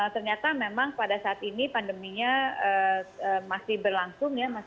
ternyata memang pada saat ini pandeminya masih berlangsung ya